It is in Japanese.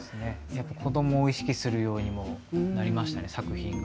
子どもを意識するようにもなりましたね、作品が。